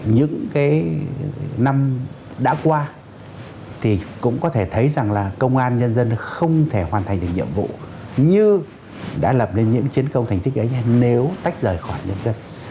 những năm đã qua cũng có thể thấy công an nhân dân không thể hoàn thành những nhiệm vụ như đã lập nên những chiến công thành tích ấy nếu tách rời khỏi nhân dân